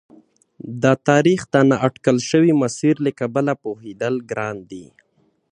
د تاریخ د نا اټکل شوي مسیر له کبله پوهېدل ګران دي.